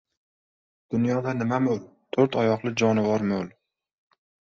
Dunyoda nima mo‘l, to‘rt oyoqli jonivor mo‘l!